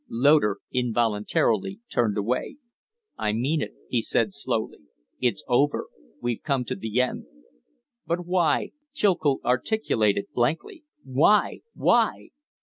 Loder involuntarily turned away. "I mean it," he said, slowly. "It's over; we've come to the end." "But why?" Chilcote articulated, blankly. "Why? Why?"